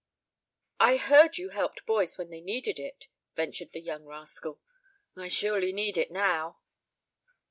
"I heard you helped boys when they needed it," ventured the young rascal. "I surely need it now."